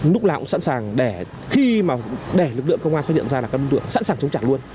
lúc nào cũng sẵn sàng để khi mà để lực lượng công an phát hiện ra là các đối tượng sẵn sàng chống trả luôn